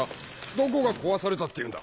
どこが壊されたっていうんだ？